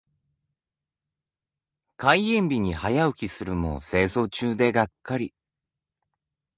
開園日に早起きするも清掃中でがっかり。